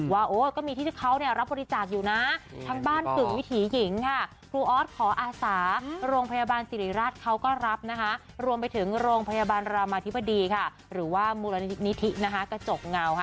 รุ่นนะทำบ้านถึงวิถีหญิงค่ะครูออสขออาศาสน์